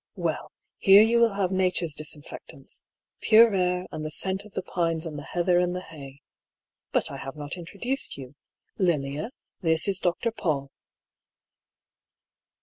" Well, here you will have Nature's disinfect ants — pure air, and the scent of the pines and the heather and the hay. But I have not introduced you. Lilia, this is Dr. Paull."